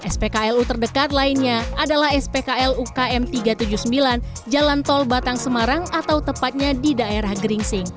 spklu terdekat lainnya adalah spklu km tiga ratus tujuh puluh sembilan jalan tol batang semarang atau tepatnya di daerah geringsing